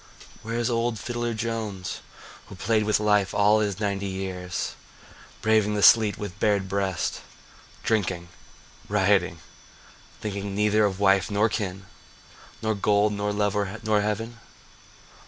Where is Old Fiddler Jones Who played with life all his ninety years, Braving the sleet with bared breast, Drinking, rioting, thinking neither of wife nor kin, Nor gold, nor love, nor heaven?